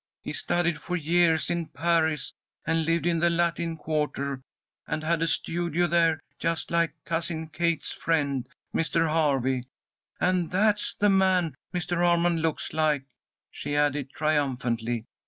He studied for years in Paris, and lived in the Latin Quarter, and had a studio there, just like Cousin Kate's friend, Mr. Harvey. And that's the man Mr. Armond looks like," she added, triumphantly.